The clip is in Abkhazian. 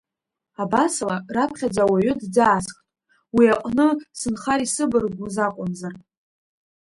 Абасала, раԥхьаӡа ауаҩы дӡаасхт, уи аҟны сынхар исыбаргәыз акәымзар.